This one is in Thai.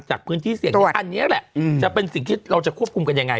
จากพื้นที่เสี่ยงที่อันนี้แหละจะเป็นสิ่งที่เราจะควบคุมกันยังไง